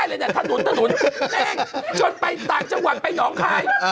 ถนนถนนแน่งจนไปต่างจังหวังไปหนองคาย